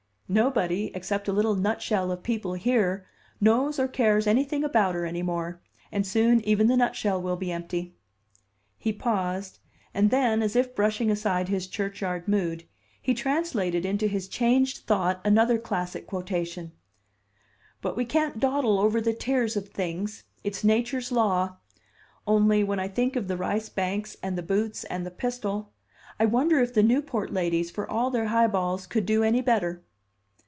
Nobody, except a little nutshell of people here, knows or cares anything about her any more; and soon even the nutshell will be empty." He paused, and then, as if brushing aside his churchyard mood, he translated into his changed thought another classic quotation: "But we can't dawdle over the 'tears of things'; it's Nature's law. Only, when I think of the rice banks and the boots and the pistol, I wonder if the Newport ladies, for all their high balls, could do any better!"